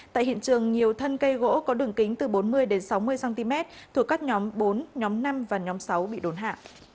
tại hiện trường nhiều thân cây gỗ có đường kính từ bốn mươi sáu mươi cm thuộc các nhóm bốn nhóm năm và nhóm sáu bị đốn hạ